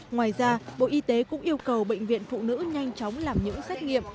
ngoài ra bộ y tế cũng yêu cầu bệnh viện phụ nữ nhanh chóng làm những xét nghiệm